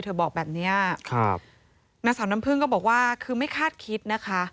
เธอบอกแบบเนี้ยครับนักสำนำพึงก็บอกว่าคือไม่คาดคิดนะคะ